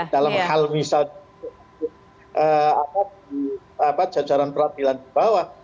dalam hal misalnya jajaran peradilan di bawah